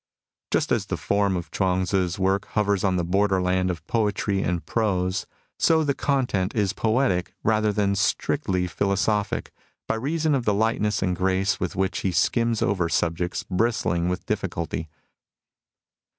Just as the form of Chuang Tzu's work hovers on the borderland of poetry and prose, so the content is poetic rather than strictly philosophic, by reason of the lightness and grace with which he skims over subjects bristling with difficulty.